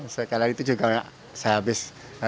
setelah itu juga sehabis